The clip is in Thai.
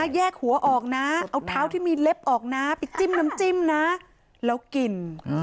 แยกหัวออกนะเอาเท้าที่มีเล็บออกนะไปจิ้มน้ำจิ้มนะแล้วกิน